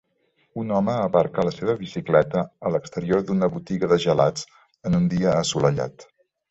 Un home aparca la seva bicicleta a l'exterior d'una botiga de gelats en un dia assolellat.